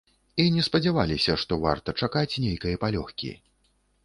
І не спадзяваліся, што варта чакаць нейкай палёгкі.